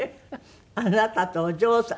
あなたとお嬢さん。